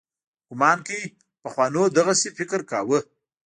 ګومان کوي پخوانو دغسې فکر کاوه.